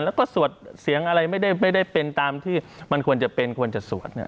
แล้วก็สวดเสียงอะไรไม่ได้เป็นตามที่มันควรจะเป็นควรจะสวด